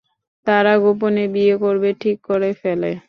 তারা গোপনে বিয়ে করবে ঠিক করে ফেলে।